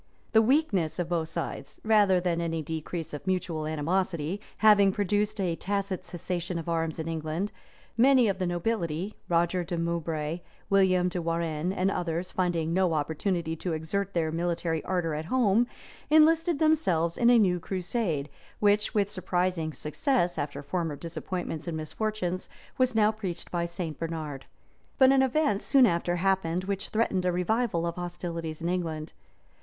[] {1148.} The weakness of both sides, rather than any decrease of mutual animosity, having produced a tacit cessation of arms in England, many of the nobility, Roger de Moubray, William de Warrenne, and others, finding no opportunity to exert their military ardor at home, enlisted themselves in a new crusade, which, with surprising success after former disappointments and misfortunes, was now preached by St. Barnard.[] But an event soon after happened which threatened a revival of hostilities in England.